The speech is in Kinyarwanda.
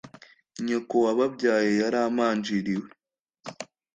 nyoko wababyaye yaramanjiriwe